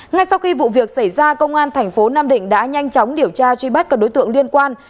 ngay sau khi vụ việc xảy ra công an thành phố nam định đã nhanh chóng điều tra truy bắt các đối tượng liên quan